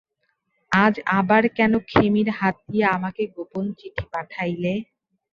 আজ আবার কেন খেমির হাত দিয়া আমাকে গোপনে চিঠি পাঠাইলে।